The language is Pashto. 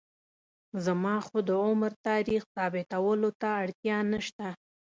زما خو د عمر تاریخ ثابتولو ته اړتیا نشته.